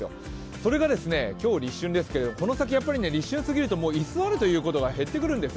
それが今日は立春ですけれども、この先、立春過ぎると居座るということが減ってくるんです。